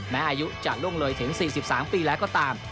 อายุจะล่วงเลยถึง๔๓ปีแล้วก็ตาม